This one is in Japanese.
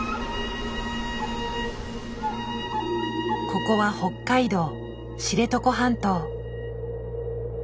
ここは北海道知床半島。